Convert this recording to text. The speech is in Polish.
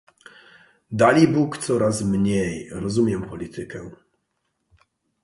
"Dalibóg, coraz mniej rozumiem politykę!"